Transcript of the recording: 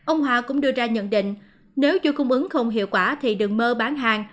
ông hòa cũng đưa ra nhận định nếu chuỗi cung ứng không hiệu quả thì đừng mơ bán hàng